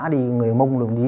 đi người mông